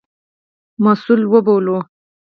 مسوول وبولو.